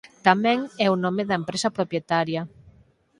Tamén é o nome da empresa propietaria.